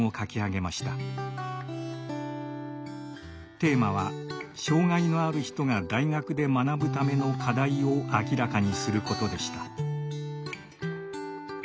テーマは障害のある人が大学で学ぶための課題を明らかにすることでした。